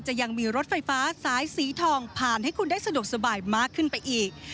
ยังมีรถไฟฟ้าสายสีทองผ่านให้คุณได้สะดวกสบายมากขึ้นไปอีก